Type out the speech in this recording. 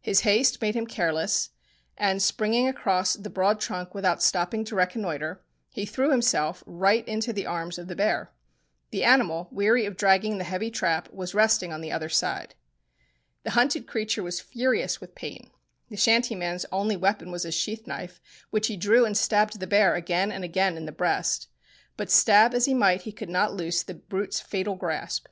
His haste made him careless, and springing across the broad trunk without stopping to reconnoitre, he threw himself right into the arms of the bear. The animal, weary of dragging the heavy trap, was resting on the other side. The hunted creature was furious with pain. The shanty man's only weapon was his sheath knife, which he drew and stabbed the bear again and again in the breast. But stab as he might he could not loose the brute's fatal grasp.